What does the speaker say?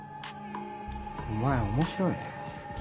お前面白いな。